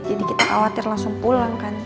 jadi kita khawatir langsung pulang kan tadi